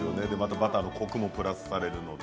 バターのコクもプラスされます。